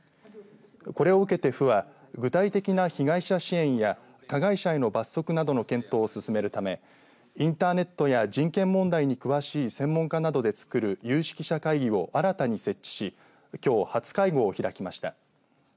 これを受けて府は具体的な被害者支援や加害者への罰則などの検討を進めるためインターネットや人権問題に詳しい専門家などでつくる有識者会議を新たに設置しきょう、初会合を開きました。